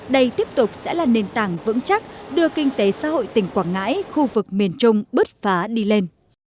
đây tiếp tục sẽ là nền tảng vững chắc đưa kinh tế xã hội tỉnh quảng ngãi khu vực miền trung bứt phá đi lên